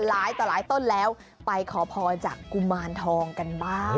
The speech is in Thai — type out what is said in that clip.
หลายต่อหลายต้นแล้วไปขอพรจากกุมารทองกันบ้าง